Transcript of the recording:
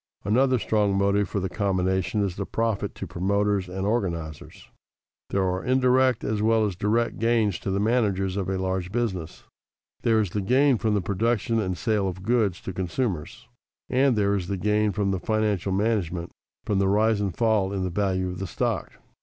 Another strong motive for the combination is the profit to promoters and organizers. There are indirect as well as direct gains to the managers of a large business. There is the gain from the production and sale of goods to consumers, and there is the gain from the financial management, from the rise and fall in the value of stock.